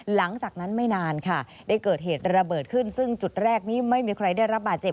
หลังจากนั้นไม่นานค่ะได้เกิดเหตุระเบิดขึ้นซึ่งจุดแรกนี้ไม่มีใครได้รับบาดเจ็บ